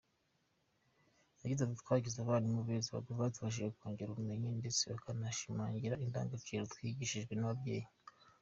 Yagize ati: “Twagize abarimu beza badufashije kongera ubumenyi ndetse bakanashimangira indangagaciro twigishijwe n’ababyeyi.